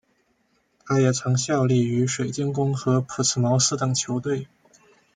他也曾效力于水晶宫和朴茨茅斯等球队。